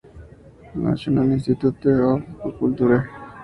National Institute of Folk Culture.